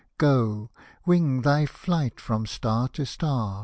" Go, wing thy flight from star to star.